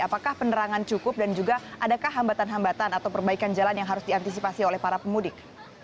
apakah penerangan cukup dan juga adakah hambatan hambatan atau perbaikan jalan yang harus diantisipasi oleh para pemudik